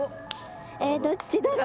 えどっちだろう？